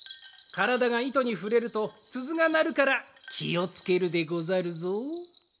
からだがいとにふれるとすずがなるからきをつけるでござるぞ。